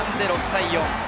６対４。